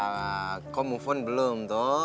nah kok move on belum tuh